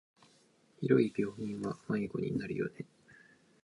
広い病院は迷子になるよね。